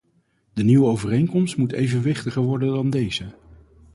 De nieuwe overeenkomst moet evenwichtiger worden dan deze.